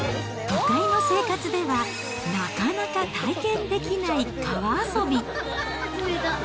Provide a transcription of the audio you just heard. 都会の生活では、なかなか体験できない川遊び。